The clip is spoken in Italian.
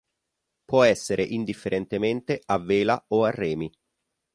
Può essere indifferentemente a vela o a remi.